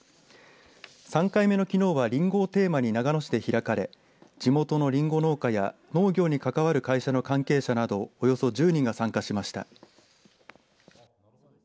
３回目のきのうはりんごテーマに長野市で開かれ地元のりんご農家や農業に関わる会社の関係者などおよそ１０人が参加しました。